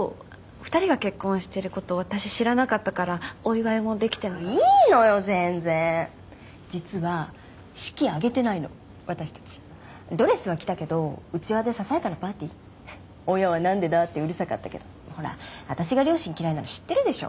２人が結婚してること私知らなかったからお祝いもできていいのよ全然実は式挙げてないの私たちドレスは着たけど内輪でささやかなパーティー親はなんでだってうるさかったけどほら私が両親嫌いなの知ってるでしょ？